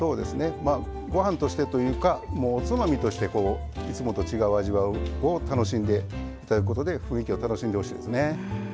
ご飯としてというかおつまみとしていつもと違う味わいを楽しんでいただくことで雰囲気を楽しんでほしいですね。